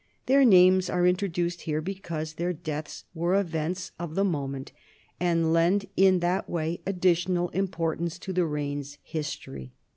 Their names are introduced here because their deaths were events of the moment and lend, in that way, additional importance to the reign's history.